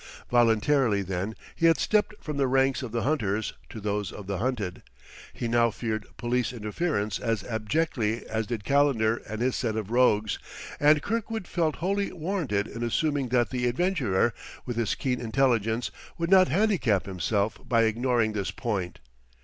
Voluntarily, then, he had stepped from the ranks of the hunters to those of the hunted. He now feared police interference as abjectly as did Calendar and his set of rogues; and Kirkwood felt wholly warranted in assuming that the adventurer, with his keen intelligence, would not handicap himself by ignoring this point.